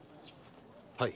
はい。